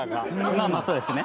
まあまあそうですね。